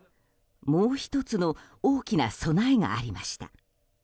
もう１つの大きな備えがありました。